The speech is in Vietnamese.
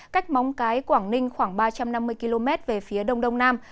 cách móng cái quảng ninh khoảng ba trăm năm mươi km về phía đông đông nam